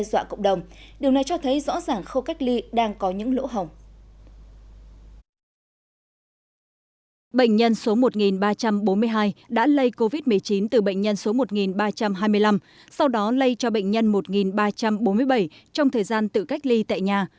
bệnh nhân số một ba trăm bốn mươi hai đã lây covid một mươi chín từ bệnh nhân số một ba trăm hai mươi năm sau đó lây cho bệnh nhân một ba trăm bốn mươi bảy trong thời gian tự cách ly tại nhà